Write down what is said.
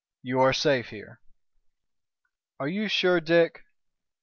You are safe here." "Are you sure, Dick?"